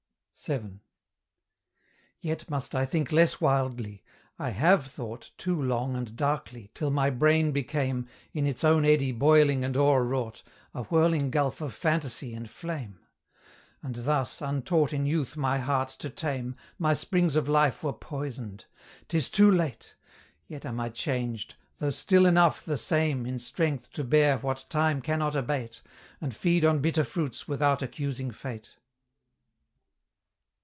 VII. Yet must I think less wildly: I HAVE thought Too long and darkly, till my brain became, In its own eddy boiling and o'erwrought, A whirling gulf of phantasy and flame: And thus, untaught in youth my heart to tame, My springs of life were poisoned. 'Tis too late! Yet am I changed; though still enough the same In strength to bear what time cannot abate, And feed on bitter fruits without accusing fate.